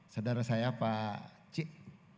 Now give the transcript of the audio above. saudara saya pak cik